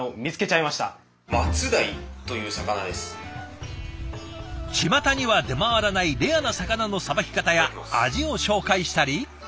ちまたには出回らないレアな魚のさばき方や味を紹介したり。